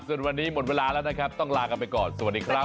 ส่วนวันนี้หมดเวลาแล้วนะครับต้องลากันไปก่อนสวัสดีครับ